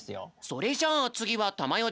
それじゃあつぎはたまよ